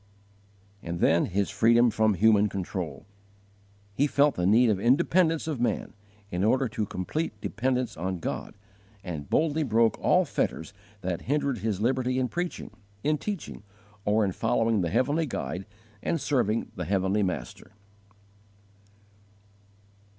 10. His freedom from human control. He felt the need of independence of man in order to complete dependence on God, and boldly broke all fetters that hindered his liberty in preaching, in teaching, or in following the heavenly Guide and serving the heavenly Master.